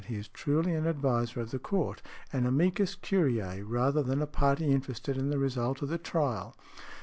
He is truly an adviser of the Court, an amicus curiæ, rather than a party interested in the result of the trial.